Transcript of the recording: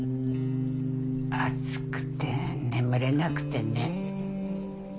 暑くて眠れなくてね。